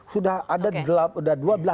sudah ada dua belas sumber minyak sudah diambil